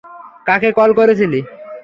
কাকে কল করেছিলি?